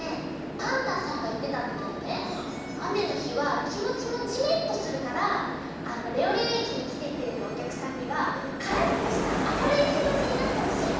パンタンさんがいってたんだけどねあめのひはきもちもじめっとするからレオレオえきにきてくれるおきゃくさんにはカラッとしたあかるいきもちになってほしいんだって。